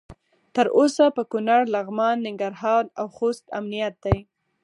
تر اوسه په کنړ، لغمان، ننګرهار او خوست امنیت دی.